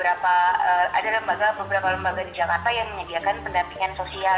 ada beberapa lembaga di jakarta yang menyediakan pendampingan sosial